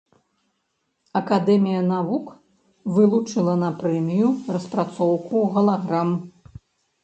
Акадэмія навук вылучыла на прэмію распрацоўку галаграм.